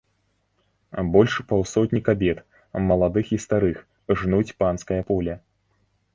Больш паўсотні кабет, маладых і старых, жнуць панскае поле.